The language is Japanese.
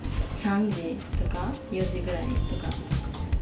３時とか４時ぐらいとか。